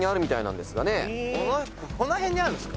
「この辺にあるんですか？」